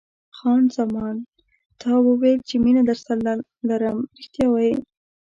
خان زمان: تا وویل چې مینه درسره لرم، رښتیا وایې؟